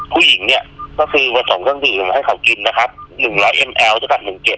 ผู้หญิงเนี้ยก็คือผสมข้างดีมาให้เขากินนะครับหนึ่งร้อยเอ็มแอลก็กับหนึ่งเจ็ด